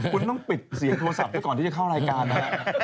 คุณต้องปิดเสียงโทรศัพท์ไปก่อนที่จะเข้ารายการนะฮะ